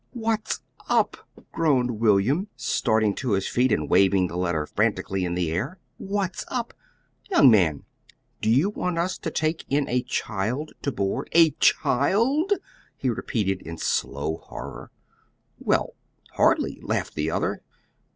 "What's up!" groaned William, starting to his feet, and waving the letter frantically in the air. "What's up! Young man, do you want us to take in a child to board? a CHILD?" he repeated in slow horror. "Well, hardly," laughed the other.